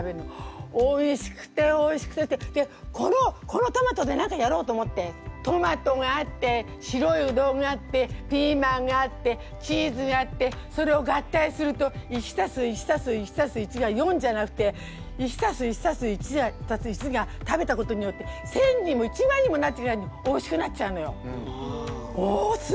おいしくておいしくてこのトマトで何かやろうと思ってトマトがあって白いうどんがあってピーマンがあってチーズがあってそれを合体すると１＋１＋１＋１が４じゃなくて１＋１＋１＋１が食べたことによって１，０００にも１万にもなったぐらいのおいしくなっちゃうのよ。